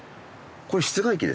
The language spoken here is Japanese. これ室外機ですね